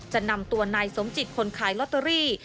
จะนำตัวนายสมจิตคนขายลอตเตอรี่